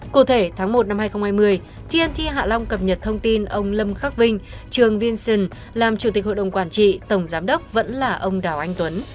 cụ thể tháng một năm hai nghìn hai mươi tnt hạ long cập nhật thông tin ông lâm khắc vinh trường vinson làm chủ tịch hội đồng quản trị tổng giám đốc vẫn là ông đào anh tuấn